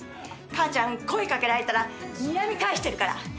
母ちゃん声掛けられたらにらみ返してるから。